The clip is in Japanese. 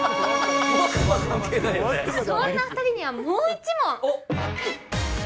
そんな２人には、もう１問。